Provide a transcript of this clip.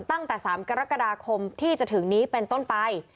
ตั้งแต่๓กรกฎาคมที่จะถึงนี้เป็นต้นไป